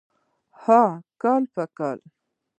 اوح کال په کال.